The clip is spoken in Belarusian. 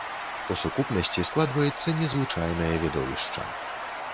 У сукупнасці складваецца незвычайнае відовішча.